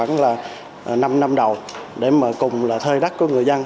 năm năm đầu để mở cùng là thơi đắc của người dân